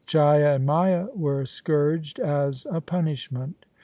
Chaia and Maia were scourged as a punishment.